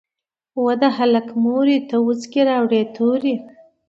"وه د هلک مورې ته وڅکي راوړه توري".